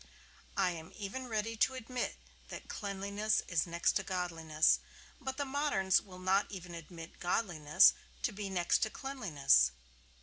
I am even ready to admit that cleanliness is next to godliness; but the moderns will not even admit godliness to be next to cleanliness.